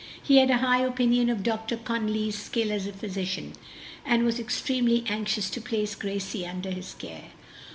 He had a high opinion of Dr. Conly's skill as a physician, and was extremely anxious to place Gracie under his care.